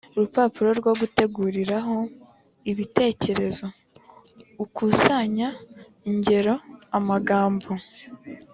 rupapuro rwo guteguriraho ibitekerezo. Ukusanya ingero, amagambo